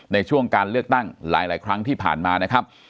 ในช่วงการเลือกตั้งหลายครั้งที่ผ่านมานะครับ